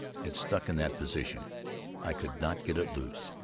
It stuck in that position. I could not get it loose.